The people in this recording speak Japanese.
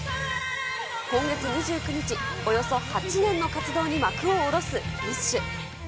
今月２９日、およそ８年の活動に幕を下ろすＢｉＳＨ。